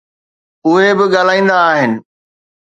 اهي به ڳالهائيندا آهن.